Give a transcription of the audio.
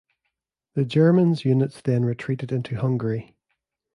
The Germans units then retreated into Hungary.